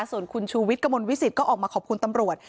ส่วนคุณชูวิทย์กระมวลวิสิตก็ออกมาขอบคุณตำรวจ